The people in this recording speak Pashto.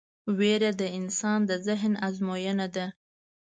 وېره د انسان د ذهن ازموینه ده.